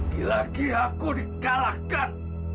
kenapa lagi aku dikalahkan